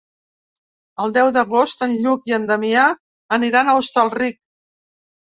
El deu d'agost en Lluc i en Damià aniran a Hostalric.